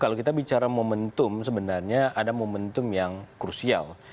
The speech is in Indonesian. kalau kita bicara momentum sebenarnya ada momentum yang krusial